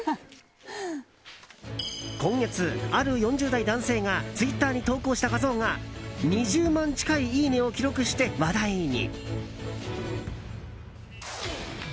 今月、ある４０代男性がツイッターに投稿した画像が２０万近いいいねを記録して話題に。